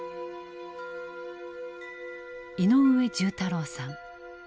井上重太郎さん。